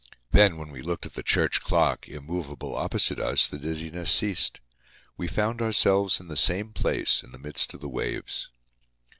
Then, when we looked at the church clock, immovable opposite us, the dizziness ceased; we found ourselves in the same place in the midst of the waves.